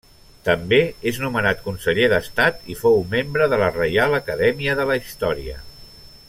També és nomenat conseller d'Estat i fou membre de la Reial Acadèmia de la Història.